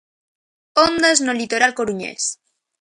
Ondas no litoral coruñés.